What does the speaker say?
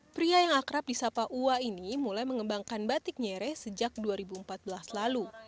pria yang akrab di sapa uwa ini mulai mengembangkan batik nyere sejak dua ribu empat belas lalu